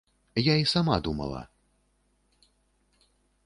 Я і сама думала.